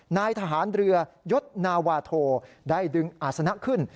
นายทหารเรือยศนาวาโทได้ดึงอาศนะขึ้น